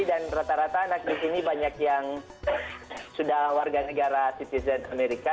dan rata rata anak di sini banyak yang sudah warga negara asing amerika